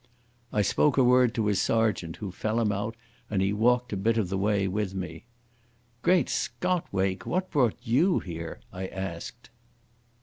I spoke a word to his sergeant, who fell him out, and he walked a bit of the way with me. "Great Scot, Wake, what brought you here?" I asked.